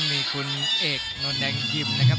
มีคุณเอกนนแดงยิมนะครับ